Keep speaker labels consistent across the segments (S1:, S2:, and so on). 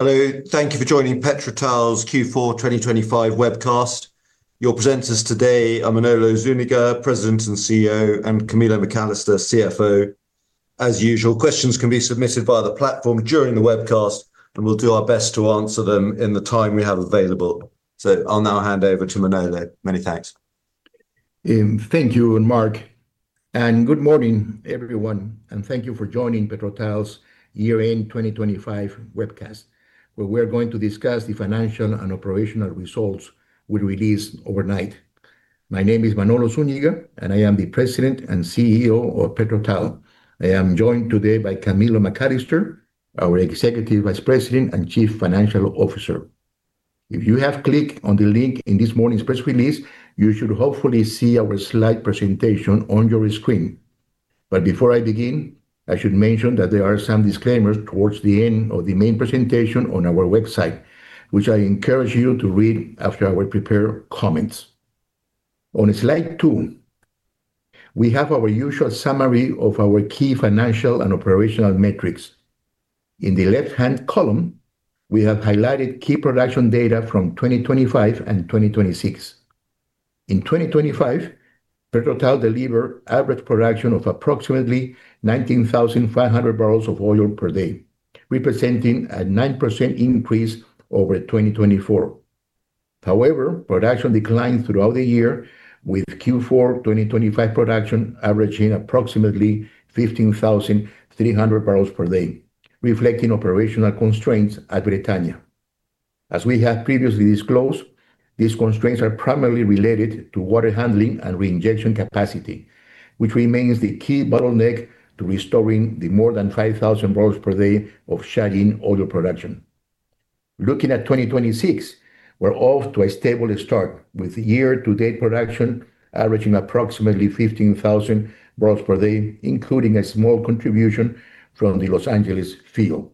S1: Hello. Thank you for joining PetroTal's Q4 2025 webcast. Your presenters today are Manolo Zúñiga, President and CEO, and Camilo McAllister, CFO. As usual, questions can be submitted via the platform during the webcast, and we'll do our best to answer them in the time we have available. I'll now hand over to Manolo. Many thanks.
S2: Thank you, Mark, and good morning, everyone, and thank you for joining PetroTal's year-end 2025 webcast, where we're going to discuss the financial and operational results we released overnight. My name is Manolo Zúñiga, and I am the President and CEO of PetroTal. I am joined today by Camilo McAllister, our Executive Vice President and Chief Financial Officer. If you have clicked on the link in this morning's press release, you should hopefully see our slide presentation on your screen. Before I begin, I should mention that there are some disclaimers towards the end of the main presentation on our website, which I encourage you to read after our prepared comments. On slide two, we have our usual summary of our key financial and operational metrics. In the left-hand column, we have highlighted key production data from 2025 and 2026. In 2025, PetroTal delivered average production of approximately 19,500 barrels of oil per day, representing a 9% increase over 2024. However, production declined throughout the year with Q4 2025 production averaging approximately 15,300 barrels per day, reflecting operational constraints at Bretaña. As we have previously disclosed, these constraints are primarily related to water handling and reinjection capacity, which remains the key bottleneck to restoring the more than 5,000 barrels per day of shut-in oil production. Looking at 2026, we're off to a stable start with year-to-date production averaging approximately 15,000 barrels per day, including a small contribution from the Los Angeles field.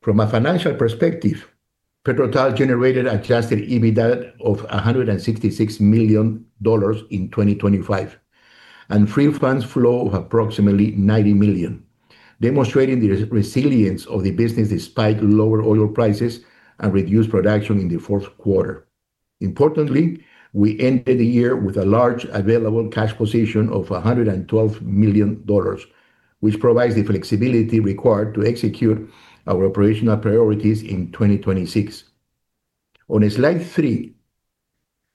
S2: From a financial perspective, PetroTal generated Adjusted EBITDA of $166 million in 2025, and free funds flow of approximately $90 million, demonstrating the resilience of the business despite lower oil prices and reduced production in the fourth quarter. Importantly, we ended the year with a large available cash position of $112 million, which provides the flexibility required to execute our operational priorities in 2026. On slide three,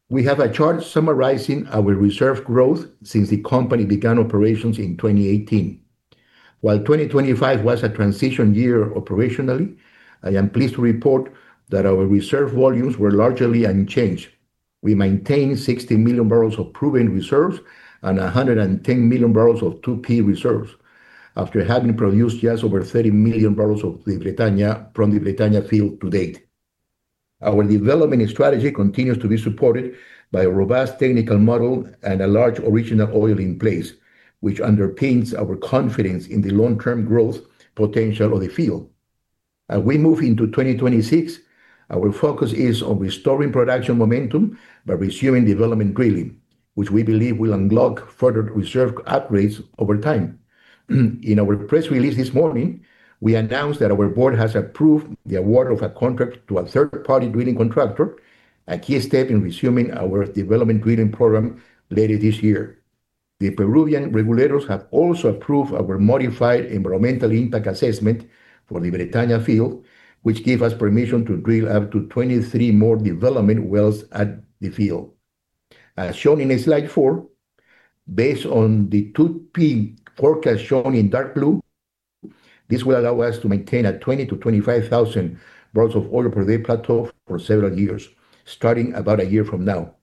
S2: we have a chart summarizing our reserve growth since the company began operations in 2018. While 2025 was a transition year operationally, I am pleased to report that our reserve volumes were largely unchanged. We maintained 60 million barrels of proven reserves and 110 million barrels of 2P reserves after having produced just over 30 million barrels from the Bretaña field to date. Our development strategy continues to be supported by a robust technical model and a large original oil in place, which underpins our confidence in the long-term growth potential of the field. As we move into 2026, our focus is on restoring production momentum by resuming development drilling, which we believe will unlock further reserve upgrades over time. In our press release this morning, we announced that our board has approved the award of a contract to a third-party drilling contractor, a key step in resuming our development drilling program later this year. The Peruvian regulators have also approved our modified environmental impact assessment for the Bretaña field, which give us permission to drill up to 23 more development wells at the field. As shown in slide four, based on the 2P forecast shown in dark blue, this will allow us to maintain a 20,000-25,000 barrels of oil per day plateau for several years, starting about a year from now.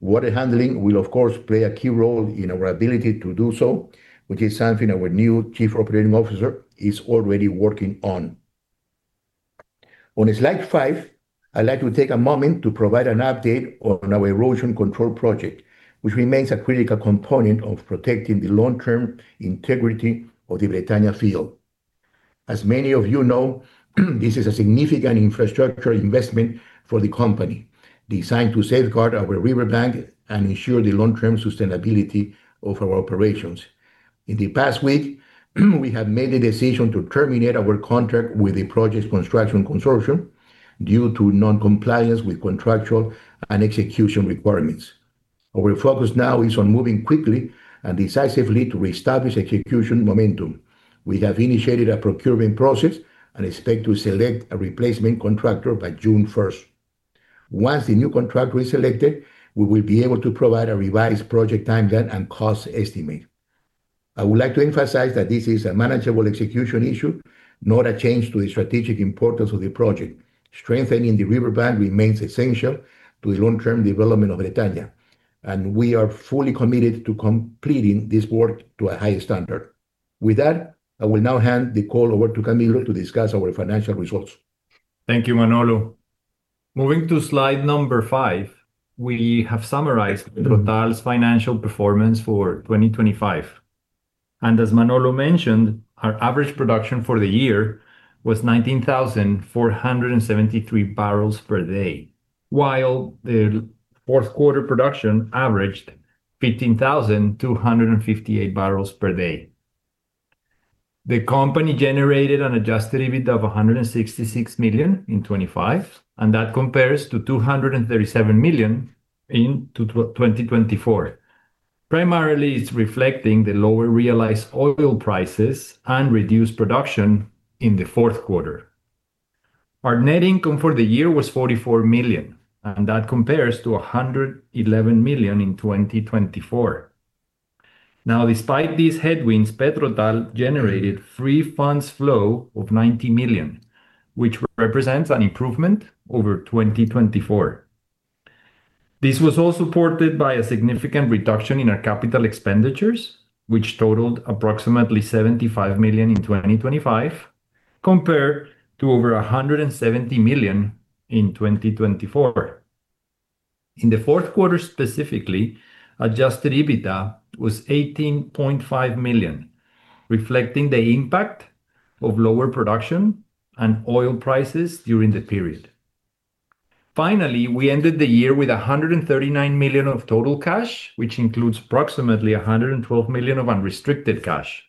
S2: Water handling will of course play a key role in our ability to do so, which is something our new Chief Operating Officer is already working on. On slide five, I'd like to take a moment to provide an update on our erosion control project, which remains a critical component of protecting the long-term integrity of the Bretaña field. As many of you know, this is a significant infrastructure investment for the company, designed to safeguard our riverbank and ensure the long-term sustainability of our operations. In the past week, we have made a decision to terminate our contract with the project's construction consortium due to non-compliance with contractual and execution requirements. Our focus now is on moving quickly and decisively to reestablish execution momentum. We have initiated a procurement process and expect to select a replacement contractor by June 1st. Once the new contractor is selected, we will be able to provide a revised project timeline and cost estimate. I would like to emphasize that this is a manageable execution issue, not a change to the strategic importance of the project. Strengthening the riverbank remains essential to the long-term development of Bretaña, and we are fully committed to completing this work to a high standard. With that, I will now hand the call over to Camilo to discuss our financial results.
S3: Thank you, Manolo. Moving to slide number five, we have summarized PetroTal's financial performance for 2025. As Manolo mentioned, our average production for the year was 19,473 barrels per day, while the fourth quarter production averaged 15,258 barrels per day. The company generated an Adjusted EBITDA of $166 million in 2025, and that compares to $237 million in 2024. Primarily, it's reflecting the lower realized oil prices and reduced production in the fourth quarter. Our net income for the year was $44 million, and that compares to $111 million in 2024. Now, despite these headwinds, PetroTal generated free funds flow of $90 million, which represents an improvement over 2024. This was all supported by a significant reduction in our capital expenditures, which totaled approximately $75 million in 2025, compared to over $170 million in 2024. In the fourth quarter specifically, Adjusted EBITDA was $18.5 million, reflecting the impact of lower production and oil prices during the period. Finally, we ended the year with $139 million of total cash, which includes approximately $112 million of unrestricted cash,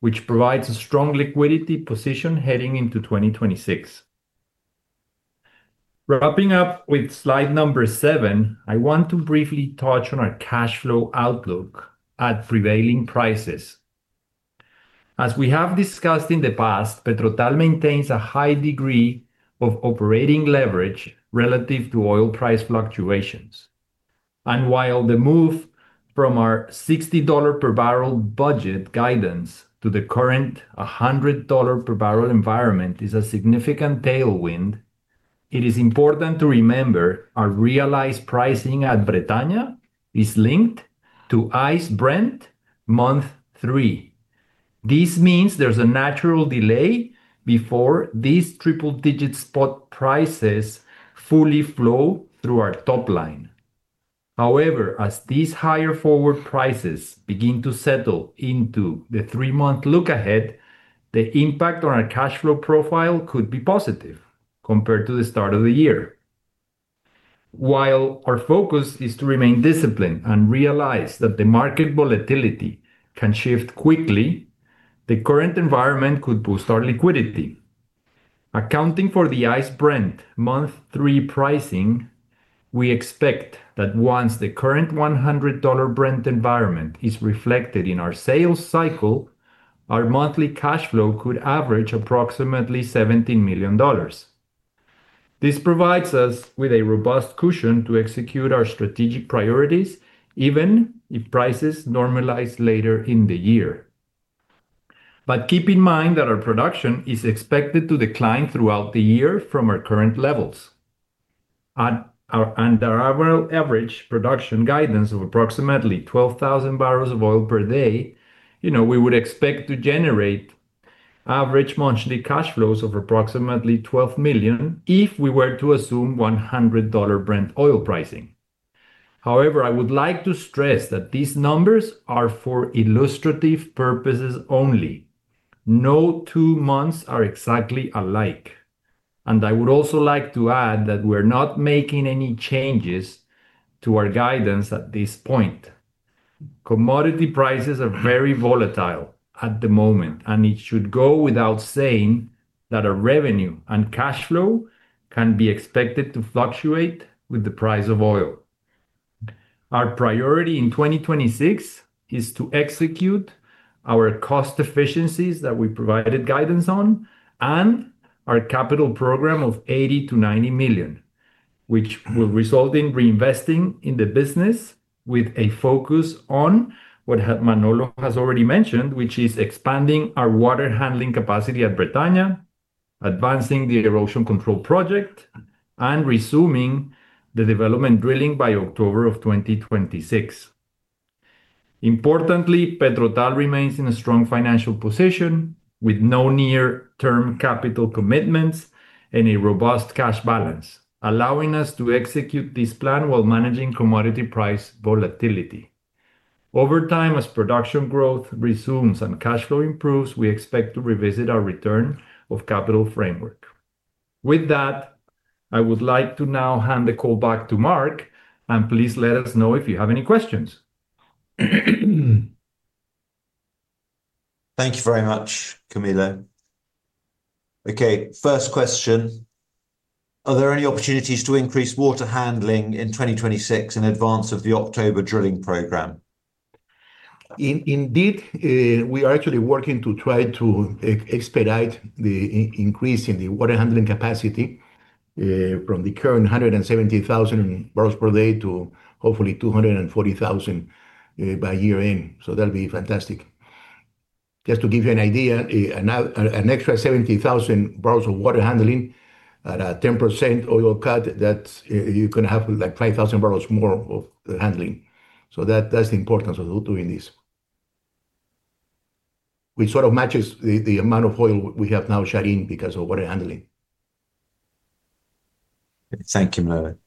S3: which provides a strong liquidity position heading into 2026. Wrapping up with slide seven, I want to briefly touch on our cash flow outlook at prevailing prices. As we have discussed in the past, PetroTal maintains a high degree of operating leverage relative to oil price fluctuations. While the move from our $60 per barrel budget guidance to the current $100 per barrel environment is a significant tailwind, it is important to remember our realized pricing at Bretaña is linked to ICE Brent month three. This means there's a natural delay before these triple-digit spot prices fully flow through our top line. However, as these higher forward prices begin to settle into the three-month look ahead, the impact on our cash flow profile could be positive compared to the start of the year. While our focus is to remain disciplined and realize that the market volatility can shift quickly, the current environment could boost our liquidity. Accounting for the ICE Brent month three pricing, we expect that once the current $100 Brent environment is reflected in our sales cycle, our monthly cash flow could average approximately $17 million. This provides us with a robust cushion to execute our strategic priorities, even if prices normalize later in the year. Keep in mind that our production is expected to decline throughout the year from our current levels. At our annual average production guidance of approximately 12,000 barrels of oil per day, you know, we would expect to generate average monthly cash flows of approximately $12 million if we were to assume $100 Brent oil pricing. However, I would like to stress that these numbers are for illustrative purposes only. No two months are exactly alike. I would also like to add that we're not making any changes to our guidance at this point. Commodity prices are very volatile at the moment, and it should go without saying that our revenue and cash flow can be expected to fluctuate with the price of oil. Our priority in 2026 is to execute our cost efficiencies that we provided guidance on and our capital program of $80 million-$90 million, which will result in reinvesting in the business with a focus on what Manolo has already mentioned, which is expanding our water handling capacity at Bretaña, advancing the erosion control project, and resuming the development drilling by October 2026. Importantly, PetroTal remains in a strong financial position with no near-term capital commitments and a robust cash balance, allowing us to execute this plan while managing commodity price volatility. Over time, as production growth resumes and cash flow improves, we expect to revisit our return of capital framework. With that, I would like to now hand the call back to Mark, and please let us know if you have any questions?
S1: Thank you very much, Camilo. Okay, first question: Are there any opportunities to increase water handling in 2026 in advance of the October drilling program?
S3: Indeed, we are actually working to try to expedite the increase in the water handling capacity from the current 170,000 barrels per day to hopefully 240,000 by year-end. That'll be fantastic. Just to give you an idea, now an extra 70,000 barrels of water handling at a 10% water cut, that's you can have like 5,000 barrels more of handling. That's the importance of doing this. Which sort of matches the amount of oil we have now shut in because of water handling.
S1: Thank you, Camilo.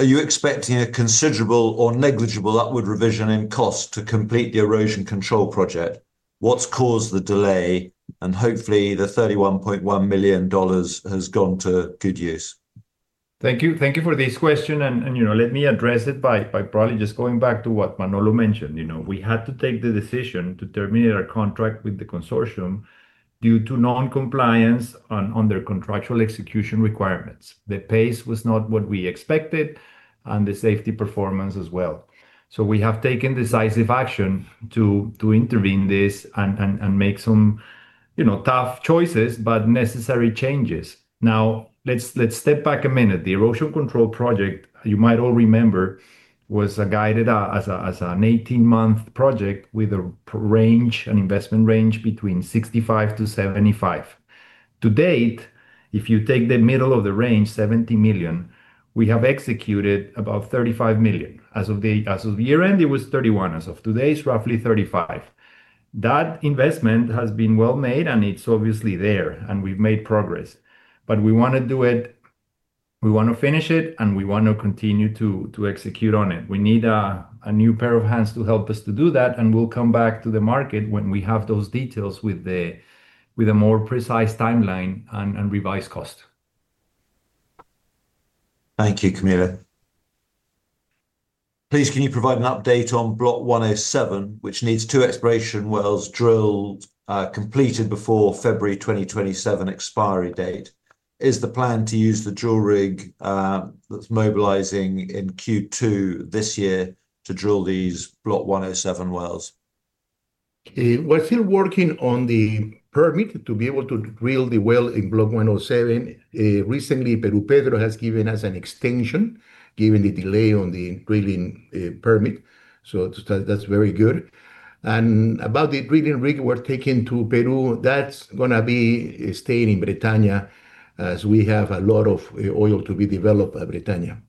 S1: Are you expecting a considerable or negligible upward revision in cost to complete the erosion control project? What's caused the delay? Hopefully the $31.1 million has gone to good use.
S3: Thank you. Thank you for this question, and you know, let me address it by probably just going back to what Manolo mentioned. You know, we had to take the decision to terminate our contract with the consortium due to non-compliance on their contractual execution requirements. The pace was not what we expected, and the safety performance as well. We have taken decisive action to intervene this and make some, you know, tough choices, but necessary changes. Now let's step back a minute. The erosion control project, you might all remember, was guided as an 18-month project with a range, an investment range between $65 million-$75 million. To date, if you take the middle of the range, $70 million, we have executed about $35 million. As of year-end it was $31 million. As of today, it's roughly $35 million. That investment has been well made, and it's obviously there, and we've made progress. We wanna do it, we want to finish it, and we want to continue to execute on it. We need a new pair of hands to help us to do that, and we'll come back to the market when we have those details with a more precise timeline and revised cost.
S1: Thank you, Camilo. Please, can you provide an update on Block 107, which needs two exploration wells drilled, completed before February 2027 expiry date. Is the plan to use the drill rig, that's mobilizing in Q2 this year to drill these Block 107 wells?
S2: We're still working on the permit to be able to drill the well in Block 107. Recently Perupetro has given us an extension given the delay on the drilling permit, so that's very good. About the drilling rig we're taking to Peru, that's gonna be staying in Bretaña, as we have a lot of oil to be developed at Bretaña.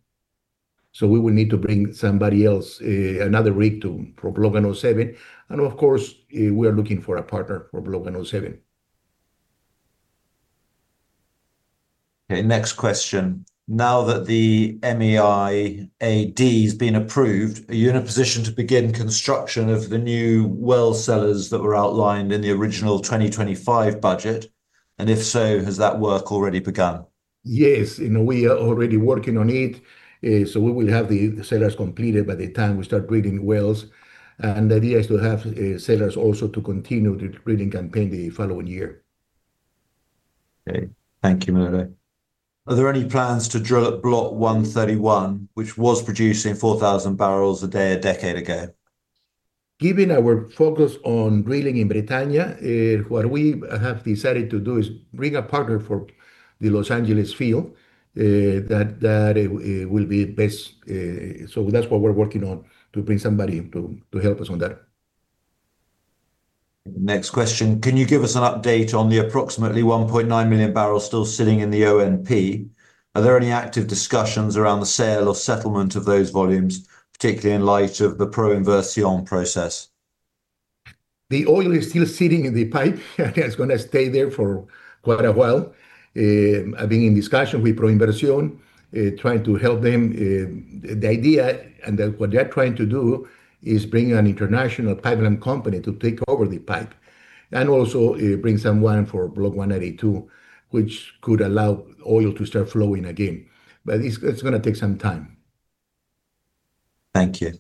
S2: We will need to bring somebody else, another rig to for Block 107. Of course, we are looking for a partner for Block 107.
S1: Okay, next question. Now that the MEIA-d has been approved, are you in a position to begin construction of the new well cellars that were outlined in the original 2025 budget? And if so, has that work already begun?
S2: Yes. You know, we are already working on it. We will have the cellars completed by the time we start drilling wells. The idea is to have cellars also to continue the drilling campaign the following year.
S1: Okay. Thank you, Manolo. Are there any plans to drill at Block 131, which was producing 4,000 barrels a day a decade ago?
S2: Given our focus on drilling in Bretaña, what we have decided to do is bring a partner for the Los Angeles field, that will be best. That's what we're working on, to bring somebody in to help us on that.
S1: Next question. Can you give us an update on the approximately 1.9 million barrels still sitting in the ONP? Are there any active discussions around the sale or settlement of those volumes, particularly in light of the ProInversión process?
S2: The oil is still sitting in the pipe. It's gonna stay there for quite a while. I've been in discussion with ProInversión, trying to help them. The idea, and then what they're trying to do is bring an international pipeline company to take over the pipe, and also, bring someone for Block 182, which could allow oil to start flowing again. It's gonna take some time.
S1: Thank you.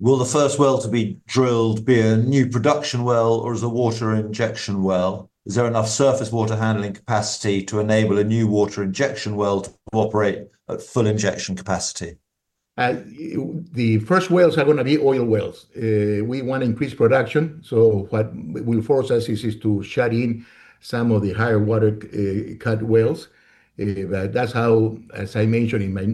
S1: Will the first well to be drilled be a new production well or as a water injection well? Is there enough surface water handling capacity to enable a new water injection well to operate at full injection capacity?
S2: The first wells are gonna be oil wells. We wanna increase production, so what will force us is to shut in some of the higher water cut wells. That's how, as I mentioned in my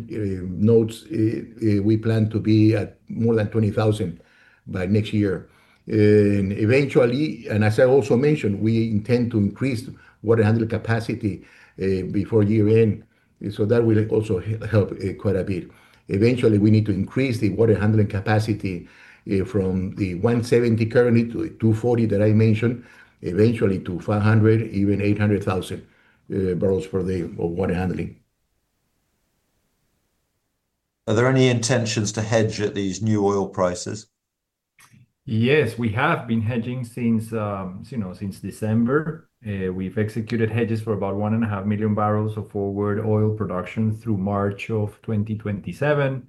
S2: notes, we plan to be at more than 20,000 by next year. Eventually, and as I also mentioned, we intend to increase water handling capacity before year-end, so that will also help quite a bit. Eventually, we need to increase the water handling capacity from the 170,000 currently to 240,000 that I mentioned, eventually to 500,000, even 800,000 barrels per day of water handling.
S1: Are there any intentions to hedge at these new oil prices?
S3: Yes. We have been hedging since, you know, since December. We've executed hedges for about 1.5 million barrels of forward oil production through March of 2027,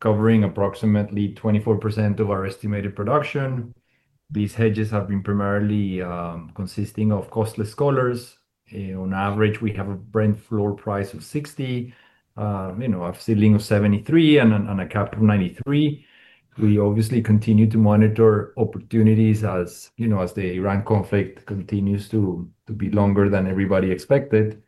S3: covering approximately 24% of our estimated production. These hedges have been primarily consisting of costless collars. On average, we have a Brent floor price of $60, you know, a ceiling of $73, and a cap of $93. We obviously continue to monitor opportunities as, you know, as the Iran conflict continues to be longer than everybody expected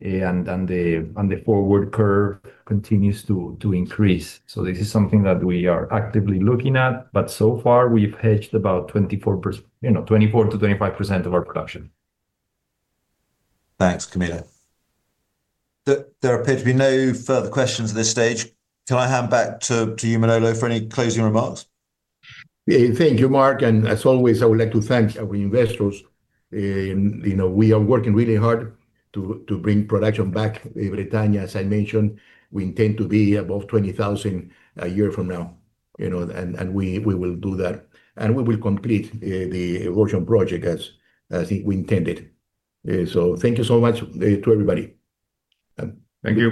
S3: and the forward curve continues to increase. This is something that we are actively looking at, but so far we've hedged about 24%, you know, 24%-25% of our production.
S1: Thanks, Camilo. There appear to be no further questions at this stage. Can I hand back to you, Manolo, for any closing remarks?
S2: Yeah. Thank you, Mark, and as always, I would like to thank our investors. You know, we are working really hard to bring production back in Bretaña. As I mentioned, we intend to be above 20,000 a year from now, you know, and we will do that, and we will complete the erosion project as we intended. So thank you so much to everybody.
S3: Thank you.